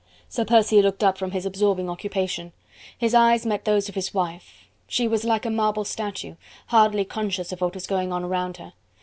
Sir Percy looked up from his absorbing occupation. His eyes met those of his wife; she was like a marble statue, hardly conscious of what was going on round her.